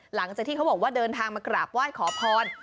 หลังจากที่เขาบอกว่าเดินทางมากราบไหว้ขอพร